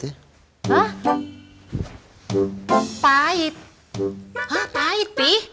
hah pahit pi